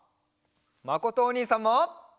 まことおにいさんも！